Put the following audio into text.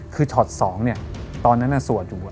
คือช็อต๒เนี่ยตอนนั้นสวดอยู่บน